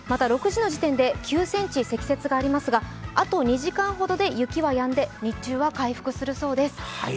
６時の時点で９ｃｍ積雪がありますが、あと２時間ほどで雪はやんで日中は回復するそうです。